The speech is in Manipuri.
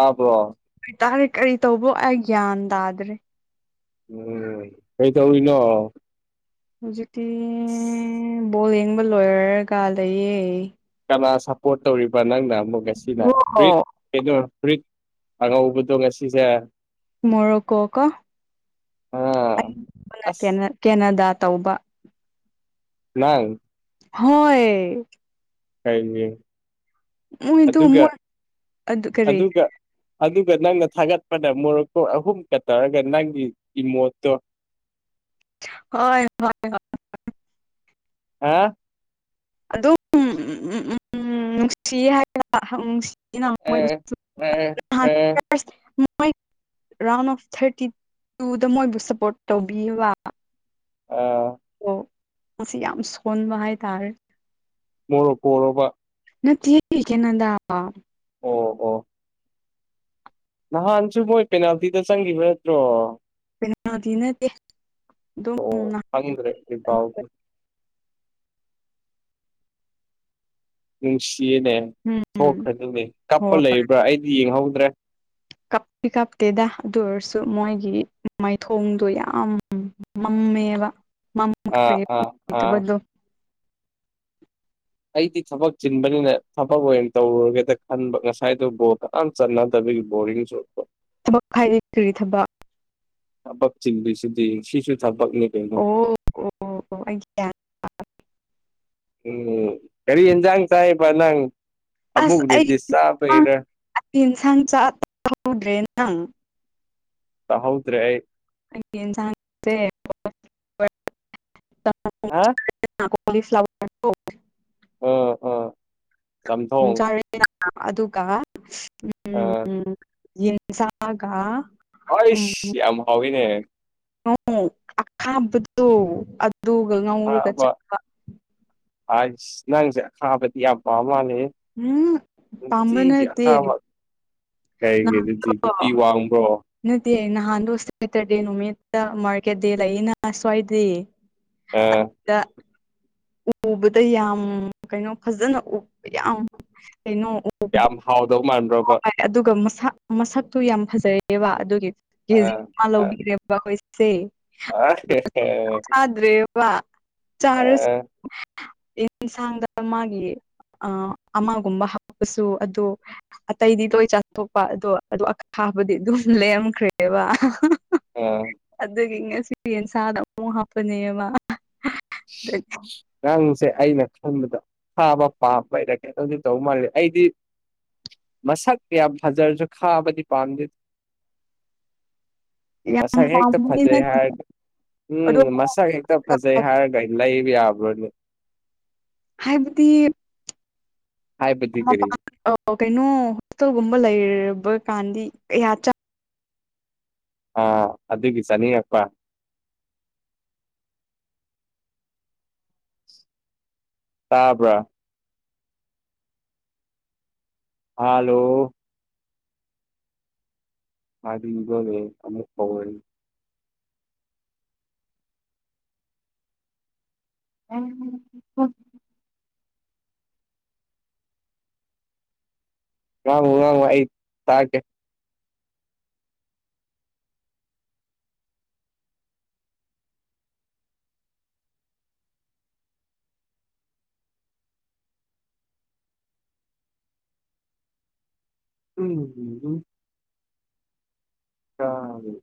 ꯑ ꯄꯣ ꯇꯥꯔꯤꯦ ꯀꯔꯤ ꯇꯧꯕ ꯑꯩ ꯒ꯭ꯌꯥꯟ ꯇꯥꯗ꯭ꯔꯦ ꯎꯝ ꯀꯩ ꯇꯧꯏ ꯅ ꯍꯧꯖꯤꯛ ꯑꯁ ꯕꯣꯜ ꯌꯦꯡꯕ ꯂꯣꯌꯔꯒ ꯂꯩꯌꯦ ꯁꯞꯄꯣꯔꯠ ꯇꯧꯔꯤꯕ ꯅꯪꯅ ꯑꯃꯨꯛ ꯑꯁꯤꯅ ꯐꯨ ꯐꯨ ꯑꯉꯧꯕꯗꯣ ꯉꯁꯤꯁꯦ ꯃꯣꯔ ꯀꯣ ꯀꯣ ꯀ ꯑꯥ ꯑꯁ ꯀꯦꯅꯥꯗ ꯇꯧꯕ ꯂ ꯍꯣꯏ ꯀꯌꯦ ꯃꯗꯨ ꯃ ꯑꯗꯨ ꯑꯗꯨ ꯀꯔꯤ ꯑꯗꯨꯒ ꯑꯗꯨꯒ ꯅꯪꯅ ꯊꯥꯒꯠꯄꯗ ꯃꯣꯔꯣꯛꯀꯣꯛ ꯑꯍꯨꯝ ꯀ ꯇꯧꯔꯒ ꯅꯪꯒꯤ ꯏꯃꯣꯠꯇꯣ ꯍꯣꯏ ꯍ ꯑ ꯑꯗꯨꯝ ꯎꯝ ꯅꯨꯡꯁꯤ ꯍꯥꯏꯅꯅꯨꯡꯁꯤ ꯑꯦ ꯑꯦ ꯑꯦ [inaudible] ꯃꯣꯏ ꯔꯥꯎꯟ ꯑꯣꯐ ꯊꯥꯔꯇꯤ ꯇꯨꯗ ꯃꯣꯏꯕꯨ ꯁꯞꯄꯣꯔꯠ ꯇꯧꯕꯤꯕ ꯑꯥ ꯑꯣ ꯃꯁꯤꯁꯤ ꯌꯥꯝ ꯁꯣꯟꯕ ꯍꯥꯏꯥꯏ ꯇꯔ ꯃꯣꯔꯣꯄꯣꯔꯣꯕ ꯅꯠꯇ ꯀ ꯅꯗꯕ ꯑꯣ ꯑꯣ ꯅꯍꯥꯟꯁꯨ ꯃꯣꯏ ꯄꯦꯅꯥꯜꯇꯤꯗ ꯆꯪꯈꯤꯕ ꯅꯠꯇ꯭ꯔꯣ ꯄꯇꯅ ꯑꯣ ꯑꯗ꯭ꯔꯦ ꯏꯥꯎꯗꯤ ꯅꯨꯡꯁꯤꯌꯦꯅꯦ ꯎꯝ ꯊꯣꯛꯈ꯭ꯔꯗꯧꯅꯦ ꯀꯞꯄ ꯍꯣꯏ ꯂꯩꯕ꯭ꯔꯥ ꯑꯩꯗꯤ ꯌꯦꯡꯍꯧꯗ꯭ꯔꯦ ꯀꯞ ꯀꯞꯇꯦꯗ ꯑꯗꯨ ꯑꯗꯨ ꯃꯣꯏꯒꯤ ꯃꯥꯏꯊꯣꯡꯗꯣ ꯌꯥꯝ ꯃꯝꯃꯦꯕ ꯑꯥ ꯑꯥ ꯑꯥ ꯃꯃꯗꯨ ꯑꯩꯗꯤ ꯊꯕꯛ ꯆꯤꯟꯕꯅꯤꯅ ꯊꯕꯛ ꯑꯣꯏꯅ ꯇꯧꯔꯒꯦꯗ ꯈꯟꯕ ꯉꯁꯥꯏꯗꯨꯕꯨꯕꯣ ꯃ ꯆꯠꯅꯗꯕ ꯔꯔꯤꯁꯨ ꯊꯕꯛ ꯍꯥꯏꯥꯏꯗꯤ ꯀꯔꯤ ꯊꯕꯛ ꯊꯄꯞ ꯆꯤꯡꯁꯤꯗꯤ ꯁꯥꯁꯨ ꯊ ꯄꯛꯅꯤ ꯄꯃ ꯑꯣ ꯑꯣ ꯑꯣ ꯑꯩ ꯒ꯭ꯌꯥꯟ ꯎꯝ ꯀꯔꯤ ꯌꯦꯟꯖ ꯆꯥꯏ ꯄ ꯅꯪ ꯑꯃꯨꯛ ꯑꯁ ꯑꯩ ꯔꯦꯗꯤꯁ ꯆꯥꯕꯩꯔ ꯌꯦꯟꯁꯥꯡ ꯆꯥꯛꯍꯧꯗ꯭ꯔꯦ ꯅꯪ ꯇ ꯍꯥꯎꯗ꯭ꯔꯦ ꯑꯩ ꯁꯥꯡꯁꯦ ꯍꯥ [inaudible] ꯎꯝ ꯎꯝ ꯆꯥꯔꯦ ꯑꯗꯨꯒ ꯑ ꯌꯦꯟꯁꯒꯥ ꯑꯩꯏꯁ ꯌꯥꯝ ꯍꯥꯎꯋꯤꯅꯦ ꯎ ꯑꯈꯥꯕꯗꯨ ꯑꯗꯨꯒ ꯉꯧꯔꯒ ꯆꯠꯄ ꯑ ꯅꯪ ꯈꯥ ꯄꯇꯤ ꯌꯥꯝ ꯄꯃ ꯎꯝ ꯄꯥꯝꯕ ꯁꯤꯒ ꯅꯠꯇꯦ ꯊꯕ ꯀꯒ ꯑꯗꯨ ꯅꯍꯥꯟꯗꯣ ꯄꯤ ꯋꯥꯕ꯭ꯔꯣ ꯅꯠꯇꯦ ꯏ ꯅ ꯍꯥꯟꯗꯁꯇꯗꯤ ꯅꯨꯃꯤꯠꯇ ꯃꯀꯦꯗꯦ ꯏꯂ ꯌꯦꯅ ꯍꯥꯁꯋꯥꯗ꯭ꯔꯤ ꯑ ꯎꯕꯗ ꯌꯥꯝ ꯀꯩꯅꯣ ꯐꯖꯅ ꯎ ꯌꯥꯝ ꯀꯩꯅꯣ ꯎꯕꯗ ꯌꯥꯝ ꯍꯥꯎꯗꯧ ꯃꯥꯟꯕ꯭ꯔꯣꯕ ꯍꯣꯏ ꯑꯗꯨꯒ ꯃꯁꯛ ꯃꯁꯛꯇꯨ ꯌꯥꯝ ꯐꯖꯩꯑꯕ ꯑꯗꯨꯒꯤ ꯀꯦꯖꯤ ꯃꯜꯕꯤꯔꯦꯕꯁꯦ ꯑ ꯋꯥ ꯆꯥꯔꯨꯁ ꯌꯦꯟꯁꯥꯡꯗ ꯃꯥꯒꯤ ꯑ ꯑꯃꯒꯨꯝꯕ ꯍꯞꯄꯁꯨ ꯑꯗꯨ ꯑꯇꯩꯗꯤ ꯇꯣꯏ ꯆꯥꯊꯣꯛꯄ ꯑꯗꯣ ꯑꯗꯨ ꯑꯈꯥꯕꯗꯤ ꯑꯗꯨꯝ ꯂꯦꯝꯈ꯭ꯔꯦꯕ ꯑꯗꯨꯗꯒꯤ ꯉꯁꯤ ꯌꯦꯟꯁꯥꯗ ꯑꯃꯨꯛ ꯍꯥꯞꯄꯅꯦꯕ ꯑꯗꯨ [inaudible] ꯁꯦ ꯑꯩꯅ ꯈꯟꯕꯗ ꯊꯥꯕ ꯄꯥꯝꯕ ꯏꯔꯀꯩꯅꯣꯗꯤ ꯇꯧꯕ ꯃꯥꯜꯂꯤ ꯑꯩꯗꯤ ꯃꯁꯛ ꯀꯌꯥꯝ ꯐꯖꯔꯁꯨ ꯈꯥꯕꯗꯤ ꯄꯥꯝꯗꯦꯗ [unintelligible] ꯌꯥꯝ ꯃꯁꯛ ꯍꯦꯛꯇ ꯄꯥꯝꯕꯗꯤ ꯐꯖꯩ ꯅꯠꯇꯦ ꯍꯥꯏꯔꯒ ꯑꯗꯣ ꯎꯝ ꯃꯁꯛ ꯍꯦꯛꯇ ꯐꯖꯩ ꯍꯥꯏꯔꯒ ꯕꯤ ꯌꯥꯕ꯭ꯔ ꯍꯥꯏꯕꯗꯤ ꯍꯥꯏꯕꯗꯤ ꯃ ꯀꯔꯤ ꯀꯩꯅꯣ ꯍꯣꯁꯇꯦꯜꯒꯨꯝꯕ ꯂꯩꯔꯕ ꯀꯥꯟꯗꯤ ꯑꯥ ꯑꯗꯨꯒꯤ ꯆꯅꯤꯡꯉꯛꯄ ꯇꯥꯕ꯭ꯔ ꯍꯂꯣ ꯍꯥꯏꯗꯤ ꯏꯕꯋꯦ ꯑꯃꯃꯤꯠ ꯕꯦꯜ ꯎꯝ ꯋꯥꯉ ꯋꯥ ꯑꯩ ꯇꯥꯇꯦ ꯎꯝ ꯎꯝ ꯎꯝ ꯀ [inaudible]